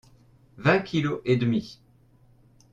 Vingt kilos et demi.